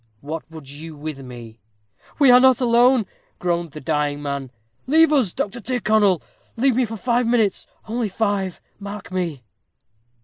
What would you with me?' 'We are not alone,' groaned the dying man. 'Leave us, Mr. Tyrconnel leave me for five minutes only five, mark me.'